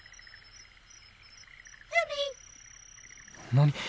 何！？